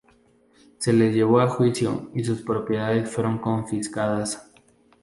Se le llevó a juicio y sus propiedades fueron confiscadas.